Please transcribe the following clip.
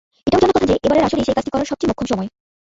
এটাও জানা কথা যে, এবারের আসরই সেই কাজটি করার সবচেয়ে মোক্ষম সময়।